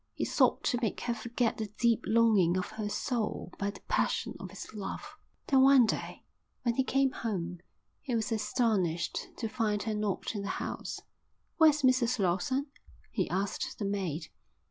He sought to make her forget the deep longing of her soul by the passion of his love. Then one day, when he came home, he was astonished to find her not in the house. "Where's Mrs Lawson?" he asked the maid.